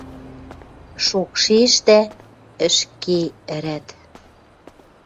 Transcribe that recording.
Шокшешдӓ ӹшке ӹрӓт.